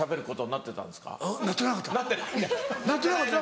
なってなかった。